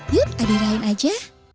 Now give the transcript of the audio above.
yuk adirain aja